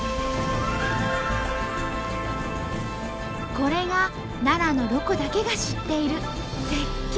これが奈良のロコだけが知っている絶景！